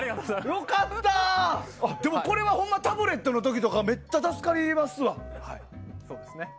これはホンマタブレットの時とかめっちゃ助かりますわ。